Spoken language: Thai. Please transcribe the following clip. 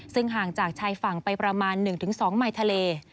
ซึ่งห่างจากชายฝั่งไปประมาณ๑๒ไมล์ทะเล